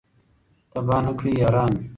تباه نه کړی یارانو